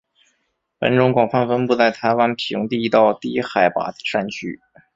本种广泛分布在台湾平地到低海拔山区。